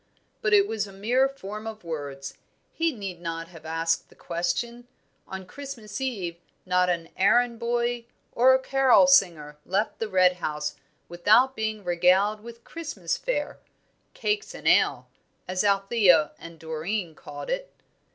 But it was a mere form of words. He need not have asked the question. On Christmas Eve not an errand boy or a carol singer left the Red House without being regaled with Christmas fare "cakes and ale," as Althea and Doreen called it.